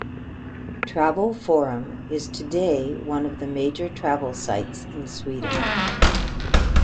Travel Forum is today one of the major travel sites in Sweden.